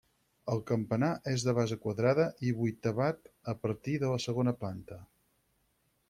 El campanar és de base quadrada i vuitavat a partir de la segona planta.